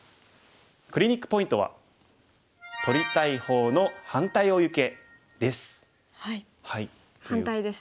クリニックポイントは反対ですね。